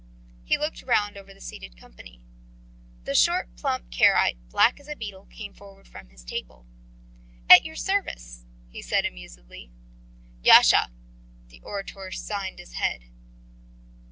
He looked round over the seated company. The short plump Karaite, black as a beetle, came forward from his table. "At your service," he said amusedly. "Yasha!" The orator signed with his head.